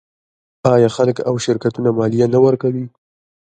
آیا خلک او شرکتونه مالیه نه ورکوي؟